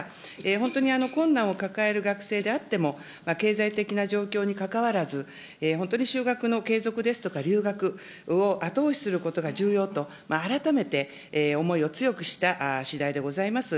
本当に困難を抱える学生であっても、経済的な状況にかかわらず、本当に就学の継続ですとか、留学を後押しすることが重要と、改めて思いを強くしたしだいでございます。